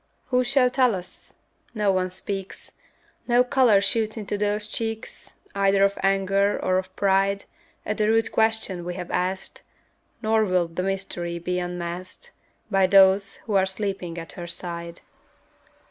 Who shall tell us? No one speaks; No color shoots into those cheeks, Either of anger or of pride, At the rude question we have asked; Nor will the mystery be unmasked By those who are sleeping at her side.